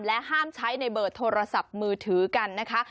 ห้ามใช้ในเบอร์โทรศัพท์มือถือกันนะคะ